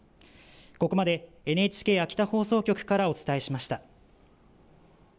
ここまでＮＨＫ秋田放送局からお伝えしました。